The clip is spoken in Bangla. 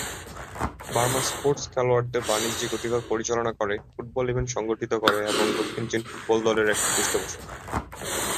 বার্মা স্পোর্টস খেলোয়াড়দের বাণিজ্যিক অধিকার পরিচালনা করে, ফুটবল ইভেন্ট সংগঠিত করে, এবং দক্ষিণ চীন ফুটবল দলের একটি পৃষ্ঠপোষক।